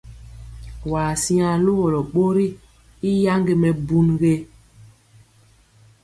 Waa siŋa luwɔlɔ ɓori i yaŋge mɛbun?